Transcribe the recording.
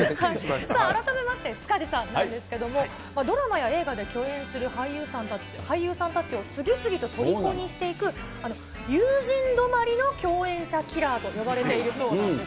改めて塚地さんなんですけれども、ドラマや映画で共演する俳優さんたちを次々と虜にしていく、友人止まりの共演者キラーと呼ばれているそうなんです。